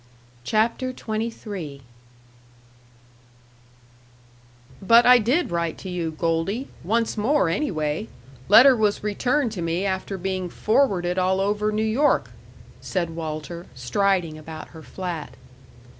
CHAPTER XXIII "But I did write to you, Goldie once more, anyway letter was returned to me after being forwarded all over New York," said Walter, striding about her flat.